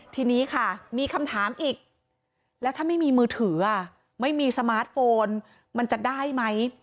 ทีนี้ค่ะมีคำถามอีกแล้วถ้าไม่มีมือถือไม่มีสมาร์ทโฟนมันจะได้ไหม